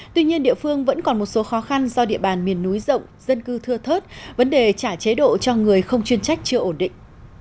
tuy nhiên địa phương vẫn còn một số khó khăn do địa bàn miền núi rộng dân cư thưa thớt vấn đề trả chế độ cho người không chuyên trách chưa ổn định